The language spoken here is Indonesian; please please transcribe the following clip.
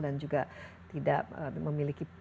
dan juga tidak memiliki